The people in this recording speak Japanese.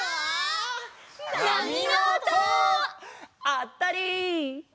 あったり！